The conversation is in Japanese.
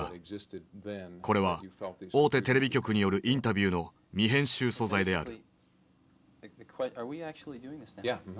これは大手テレビ局によるインタビューの未編集素材である。